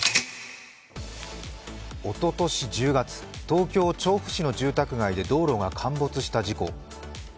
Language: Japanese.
おととし１０月、東京・調布市の住宅街で道路が陥没した事故。